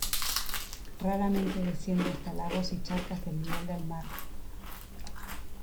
Raramente desciende hasta lagos y charcas del nivel del mar.